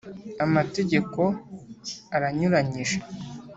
amategeko aranyuranyije.